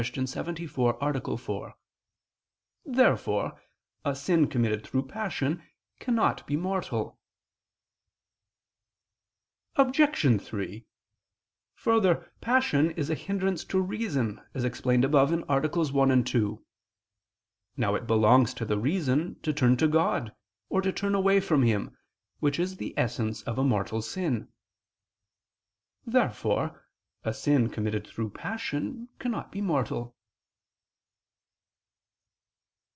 74, A. 4). Therefore a sin committed through passion cannot be mortal. Obj. 3: Further, passion is a hindrance to reason, as explained above (AA. 1, 2). Now it belongs to the reason to turn to God, or to turn away from Him, which is the essence of a mortal sin. Therefore a sin committed through passion cannot be mortal.